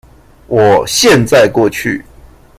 我現在過去